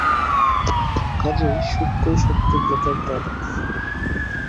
কাজেই সূক্ষ্মই শক্তির যথার্থ আধার।